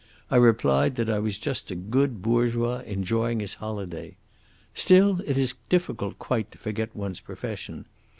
I replied that I was just a good bourgeois enjoying his holiday. Still it is difficult quite to forget one's profession.